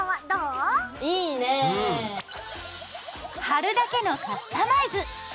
貼るだけのカスタマイズ！